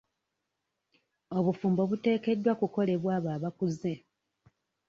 Obufumbo buteekeddwa kukolebwa abo abakuze.